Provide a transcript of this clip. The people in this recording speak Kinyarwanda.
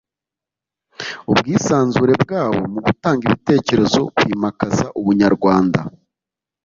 ubwisanzure bwabo mu gutanga ibitekerezo kwimakaza ubunyarwanda